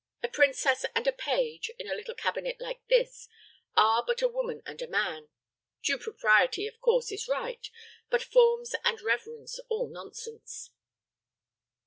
A princess and a page, in a little cabinet like this, are but a woman and a man. Due propriety, of course, is right; but forms and reverence all nonsense."